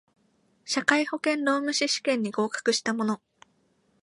社会保険労務士試験に合格した者